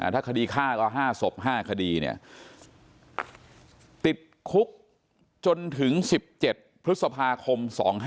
ถ้าคดีฆ่าก็๕ศพ๕คดีติดคุกจนถึง๑๗พฤษภาคม๒๕๕๙